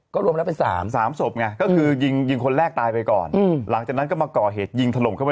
ก็รอบรับไปสามพวกงี่คือยิงคนแรกตายไปก่อนหลังจากนั้นก็มาก่อเหตุยิง